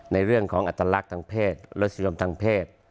ในเรื่องของอัตลักษณ์ทางเพศรสนิยมทางเพศ